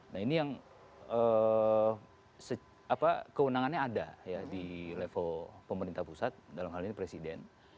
nah ini yang kewenangannya ada ya di level pemerintah pusat dalam hal ini presiden